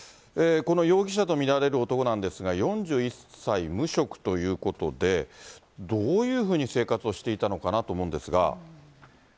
この容疑者と見られる男なんですが、４１歳無職ということで、どういうふうに生活をしていたのかなと思うんですが。